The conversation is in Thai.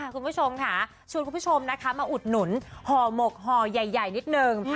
คุณผู้ชมค่ะโชว์คุณผู้ชมนะคะมาอุดหนุนฮมฮใหญ่นิดนึง